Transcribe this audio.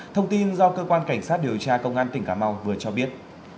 thông tin do cơ quan cảnh sát điều tra công an tỉnh cà mau vừa cho biết